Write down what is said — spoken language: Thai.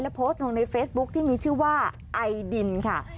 โพสต์ลงในเฟซบุ๊คที่มีชื่อว่าไอดินค่ะ